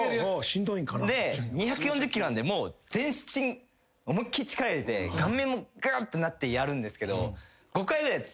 で２４０ｋｇなんでもう全身思いっきり力入れて顔面もぐってなってやるんですけど。